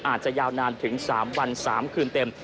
อาจจะยาวนานถึง๓วัน๓คืนเต็ม